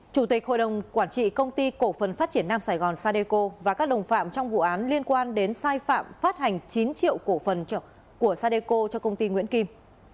chủ tịch hội đồng quản trị công ty cổ phần phát triển nam sài gòn sadeco và các đồng phạm trong vụ án liên quan đến sai phạm phát hành chín triệu cổ phần của sadeco cho công ty nguyễn kim